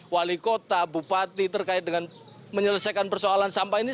wali kota bupati terkait dengan menyelesaikan persoalan sampah ini